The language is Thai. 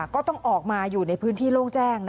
ก็ต้องออกมาอยู่ในพื้นที่โล่งแจ้ง